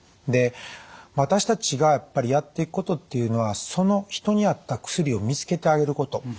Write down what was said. で私たちがやっぱりやっていくことっていうのはその人に合った薬を見つけてあげること。